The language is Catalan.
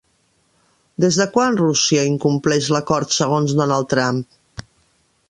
Des de quan Rússia incompleix l'acord segons Donald Trump?